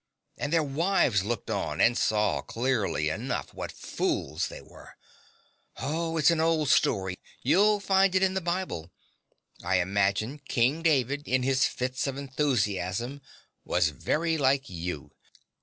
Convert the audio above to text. And their wives looked on and saw clearly enough what fools they were. Oh, it's an old story: you'll find it in the Bible. I imagine King David, in his fits of enthusiasm, was very like you.